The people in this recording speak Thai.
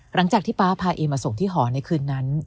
หลังจากที่ป๊าพาอีมาส่งที่หอในคืนนั้น